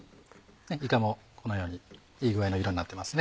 いかもこのようにいい具合の色になってます。